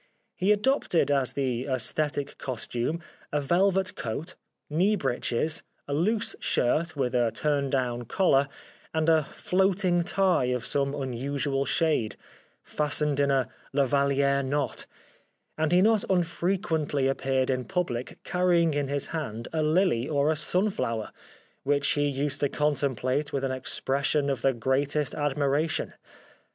He adopted as the " aesthetic costume " a velvet coat, knee breeches, a loose shirt with a turn down collar, and a floating tie of some unusual shade, fastened in a Lavalli^re knot, and he not i6o The Life of Oscar Wilde unfrequently appeared in public carrying in his hand a hly or a sunflower, which he used to contemplate with an expression of the greatest admiration.